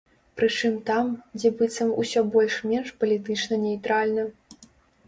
Прычым там, дзе быццам усё больш-менш палітычна нейтральна.